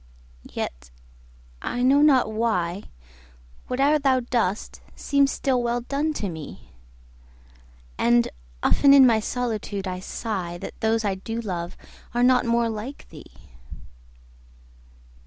—yet, I know not why, 5 Whate'er thou dost seems still well done, to me: And often in my solitude I sigh That those I do love are not more like thee!